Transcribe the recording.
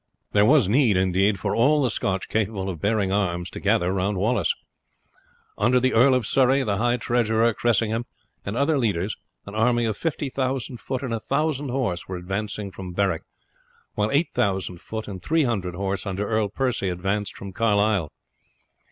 There was need, indeed, for all the Scotch, capable of bearing arms, to gather round Wallace. Under the Earl of Surrey, the high treasurer Cressingham, and other leaders, an army of 50,000 foot and 1000 horse were advancing from Berwick, while 8000 foot and 300 horse under Earl Percy advanced from Carlisle.